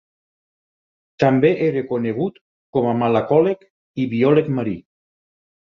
També era conegut com a malacòleg i biòleg marí.